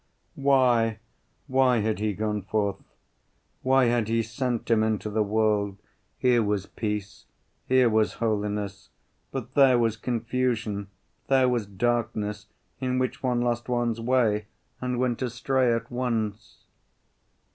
"Why, why, had he gone forth? Why had he sent him into the world? Here was peace. Here was holiness. But there was confusion, there was darkness in which one lost one's way and went astray at once...."